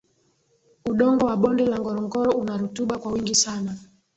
udongo wa bonde la ngorongoro una rutuba kwa wingi sana